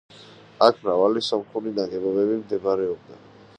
აქ მრავალი სომხური ნაგებობები მდებარეობდა.